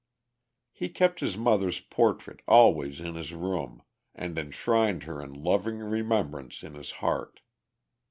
He kept his mother's portrait always in his room, and enshrined her in loving remembrance in his heart.